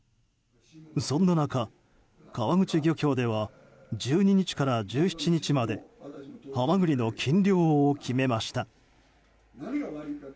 そんな中、川口漁協では１２日から１７日までハマグリの禁漁を決めました。